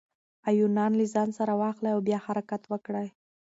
ایوانان له ځان سره واخلئ او بیا حرکت وکړئ.